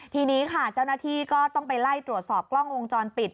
ทีนี้ค่ะเจ้าหน้าที่ก็ต้องไปไล่ตรวจสอบกล้องวงจรปิด